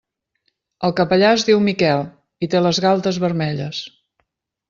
El capellà es diu Miquel i té les galtes vermelles.